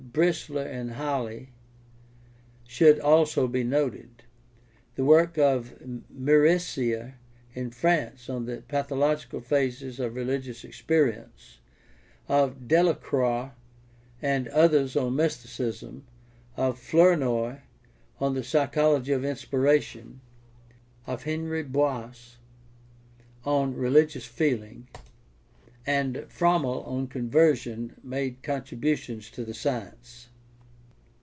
Bresler at Halle, should also be noted. The work of Murisier in France on the pathological phases of religious experience, of Delacroix and others on mysticism, of Flournoy on the psychology of inspiration, of Henri Bois on religious feeling, and of Frommel on conversion made con tributions to the science.